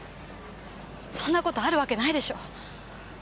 そんな事あるわけないでしょ。